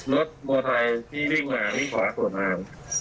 รถมัวไทยที่วิ่งมาวิ่งขวาสวนมา